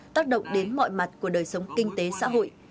tác động đến mọi mặt của đời sống kinh tế xã hội